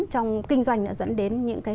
trong kinh doanh đã dẫn đến những cái